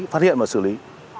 phát hiện và xử lý